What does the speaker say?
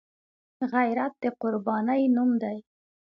غیرت د قربانۍ نوم دی